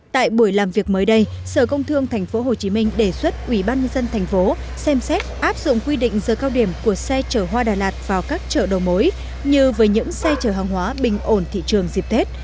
tại buổi làm việc mới đây sở công thương tp hcm đề xuất ubnd tp xem xét áp dụng quy định giờ cao điểm của xe chở hoa đà lạt vào các chợ đầu mối như với những xe chở hàng hóa bình ổn thị trường dịp tết